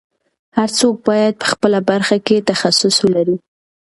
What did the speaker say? هر څوک باید په خپله برخه کې تخصص ولري.